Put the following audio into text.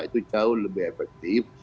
itu jauh lebih efektif